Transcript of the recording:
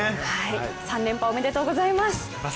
３連覇おめでとうございます。